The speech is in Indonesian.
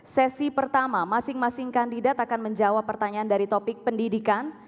sesi pertama masing masing kandidat akan menjawab pertanyaan dari topik pendidikan